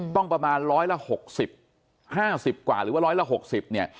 ประมาณร้อยละ๖๐๕๐กว่าหรือว่าร้อยละ๖๐เนี่ย